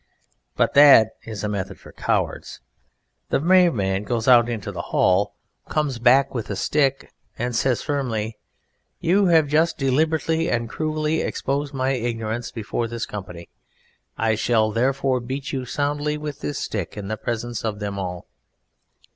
But that is a method for cowards; the brave man goes out into the hall, comes back with a stick, and says firmly, "You have just deliberately and cruelly exposed my ignorance before this company; I shall, therefore, beat you soundly with this stick in the presence of them all."